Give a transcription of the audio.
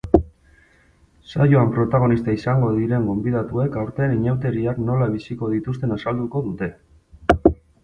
Saioan protagonista izango diren gonbidatuek aurten inauteriak nola biziko dituzten azalduko dute.